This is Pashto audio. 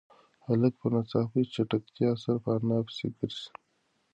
هلک په ناڅاپي چټکتیا سره په انا پسې گرځي.